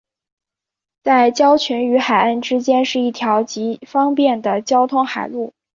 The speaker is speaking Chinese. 在礁群与海岸之间是一条极方便的交通海路。